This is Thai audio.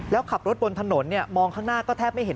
แล้วขับรถบนถนนมองข้างหน้าก็แทบไม่เห็น